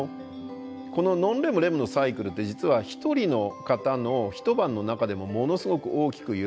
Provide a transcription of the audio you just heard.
このノンレムレムのサイクルって実は一人の方の一晩の中でもものすごく大きく揺らぎます。